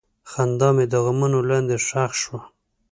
خندا مې د غمونو لاندې ښخ شوه.